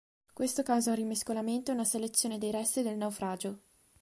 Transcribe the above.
Questo causa un rimescolamento e una selezione dei resti del naufragio.